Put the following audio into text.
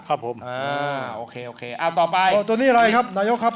ครับผมอ่าโอเคโอเคอ่าต่อไปตัวนี้อะไรครับนายกครับ